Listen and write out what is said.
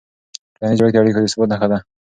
ټولنیز جوړښت د اړیکو د ثبات نښه ده.